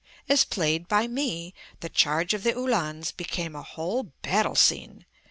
As played by me, "The Charge of the Uhlans" became a whole battle scene.